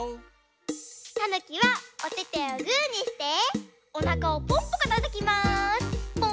たぬきはおててをグーにしておなかをポンポコたたきます！